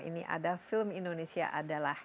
ini ada film indonesia adalah